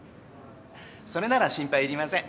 それなら心配いりません。